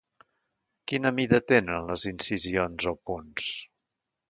Quina mida tenen les incisions o punts?